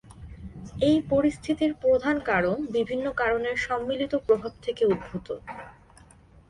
এই পরিস্থিতির প্রধান কারণ বিভিন্ন কারণের সম্মিলিত প্রভাব থেকে উদ্ভূত।